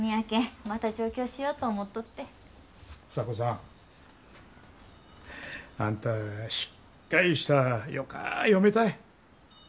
房子さんあんたしっかりしたよか嫁たい。